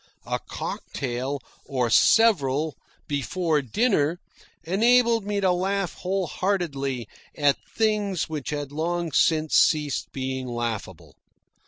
A cocktail, or several, before dinner, enabled me to laugh whole heartedly at things which had long since ceased being laughable.